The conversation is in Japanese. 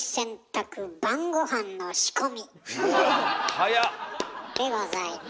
早っ！でございます。